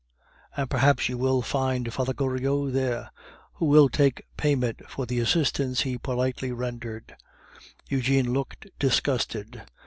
"And perhaps you will find Father Goriot there, who will take payment for the assistance he politely rendered." Eugene looked disgusted.